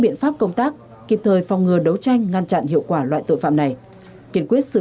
biện pháp công tác kịp thời phòng ngừa đấu tranh ngăn chặn hiệu quả loại tội phạm này kiên quyết xử